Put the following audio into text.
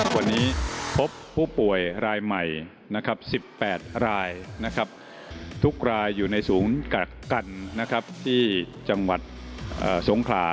วันนี้พบผู้ป่วยรายใหม่นะครับ๑๘รายนะครับทุกรายอยู่ในศูนย์กระกันนะครับที่จังหวัดสงคราม